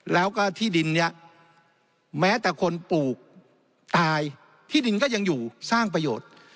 แล้วก็ที่ดินนี้แม้แต่คนปลูกตายที่ดินก็ยังอยู่สร้างประโยชน์